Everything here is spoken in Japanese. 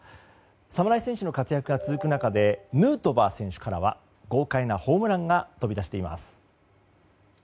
侍戦士の活躍が続く中でヌートバー選手からは豪快なホームランが飛び出しています。